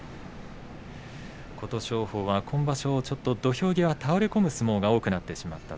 琴勝峰は今場所ちょっと土俵際、倒れ込む相撲が多くなってしまった。